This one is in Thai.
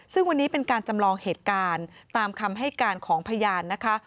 ซึ่งวันนี้เป็นการจำลองเหตุการณ์ตามคำให้การของพยานนะคะ